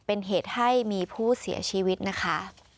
เป็นเหตุให้มีผู้เสียชีวิตนะคะ